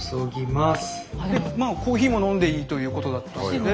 コーヒーも飲んでいいということだったので。